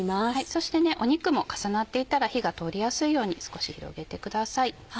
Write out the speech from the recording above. そしてお肉も重なっていたら火が通りやすいように少し広げてください。